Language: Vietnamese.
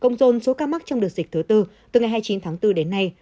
cộng dồn số ca mắc trong đợt dịch thứ bốn từ ngày hai mươi chín tháng bốn đến nay